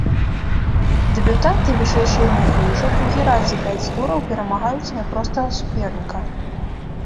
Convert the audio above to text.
Дэбютанты вышэйшай лігі ўжо другі раз за пяць тураў перамагаюць няпростага суперніка.